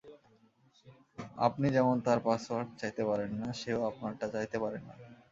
আপনি যেমন তাঁর পাসওয়ার্ড চাইতে পারেন না, সেও আপনারটা চাইতে পারে না।